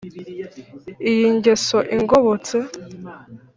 Iyi ngeso ingobotse,